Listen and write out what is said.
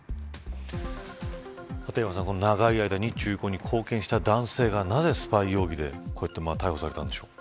立岩さん、長い間日中友好に貢献した男性がなぜスパイ容疑でこうやって逮捕されたんでしょうか。